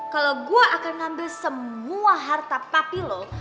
kalau gue akan ngambil semua harta papi lo